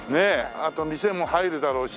あと店も入るだろうし。